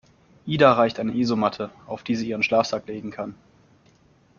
Ida reicht eine Isomatte, auf die sie ihren Schlafsack legen kann.